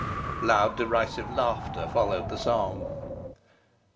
Loud derisive laughter followed the song.